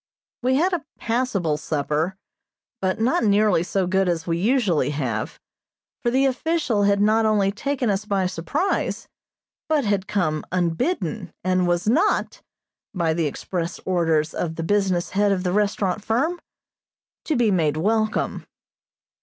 We had a passable supper, but not nearly so good as we usually have, for the official had not only taken us by surprise, but had come unbidden, and was not, (by the express orders of the business head of the restaurant firm), to be made welcome.